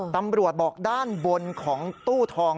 ตำรวจบอกด้านบนของตู้ทอง